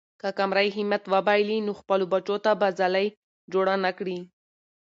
که قمرۍ همت وبایلي، نو خپلو بچو ته به ځالۍ جوړه نه کړي.